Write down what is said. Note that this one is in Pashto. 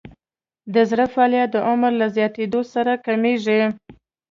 د زړه فعالیت د عمر له زیاتوالي سره کمیږي.